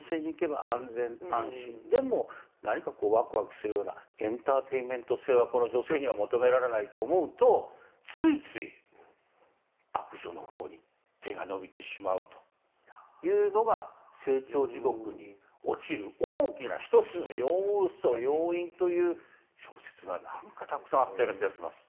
でも何かこうワクワクするようなエンターテインメント性はこの女性には求められないと思うとついつい悪女の方に手がのびてしまうというのが「清張地獄」に落ちる大きな一つの要素・要因という小説がなんかたくさんあったような気がします。